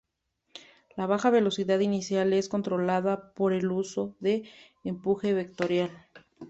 La baja velocidad inicial es controlada por el uso de empuje vectorial.